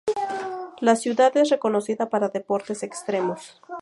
La ciudad es reconocida para deportes extremos.